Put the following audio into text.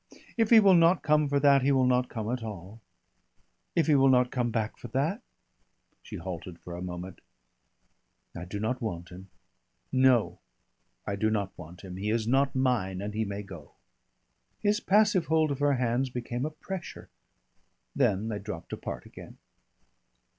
If he will not come for that he will not come at all. If he will not come back for that" she halted for a moment "I do not want him. No! I do not want him. He is not mine and he may go." His passive hold of her hands became a pressure. Then they dropped apart again.